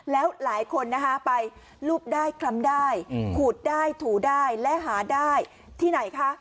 แล้วหลายคนนะคะไปรูปได้คล้ำได้ขูดได้ถูได้และหาได้ที่ไหนคะ